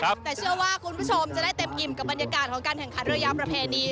แต่เชื่อว่าคุณผู้ชมจะได้เต็มอิ่มกับบรรยากาศของการแข่งขันเรือยาวประเพณี